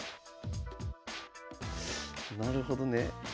なるほどね。